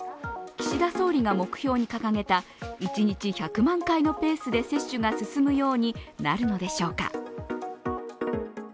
岸田総理が目標に掲げた一日１００万回のペースで接種が進むようになるのでしょうか。